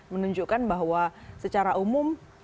menunjukkan bahwa secara umum